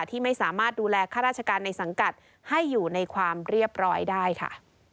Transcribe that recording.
ที่ไม่สามารถดูแลข้าราชการในสังกัดให้อยู่ในความเรียบร้อยได้ค่ะ